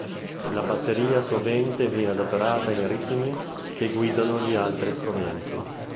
La batteria sovente viene adoperata in ritmi che guidano gli altri strumenti.